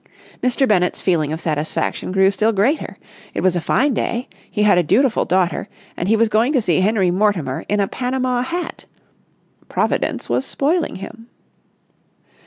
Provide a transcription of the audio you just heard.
Mr. Bennett's feeling of satisfaction grew still greater. It was a fine day; he had a dutiful daughter; and he was going to see Henry Mortimer in a panama hat. Providence was spoiling him.